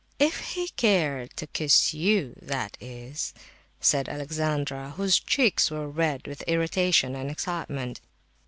"If he cared to kiss you, that is," said Alexandra, whose cheeks were red with irritation and excitement.